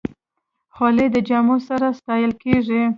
خولۍ د جامو سره ستایل کېږي.